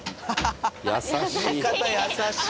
優しい。